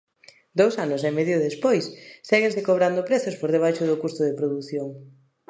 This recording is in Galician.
Dous anos e medio despois, séguense cobrando prezos por debaixo do custo de produción.